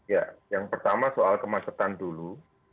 ya yang pertama soal kemacetan dulu